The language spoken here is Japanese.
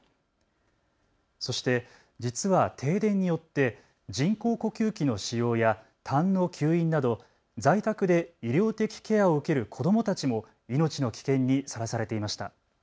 そして実は停電によって人工呼吸器の使用やたんの吸引など在宅で医療的ケアを受ける子どもたちも命の危険にさらされていました。